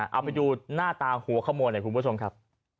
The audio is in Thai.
เอาไปดูหน้าตาหัวขโมยหน่อยคุณผู้ชมครับ